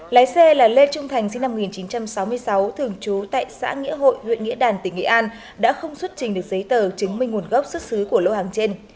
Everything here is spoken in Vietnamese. lái xe là lê trung thành sinh năm một nghìn chín trăm sáu mươi sáu thường trú tại xã nghĩa hội huyện nghĩa đàn tỉnh nghệ an đã không xuất trình được giấy tờ chứng minh nguồn gốc xuất xứ của lô hàng trên